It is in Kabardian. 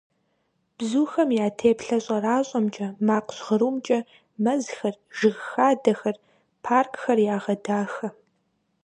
Бзухэм я теплъэ щӀэращӀэмкӀэ, макъ жьгърумкӀэ мэзхэр, жыг хадэхэр, паркхэр ягъэдахэ.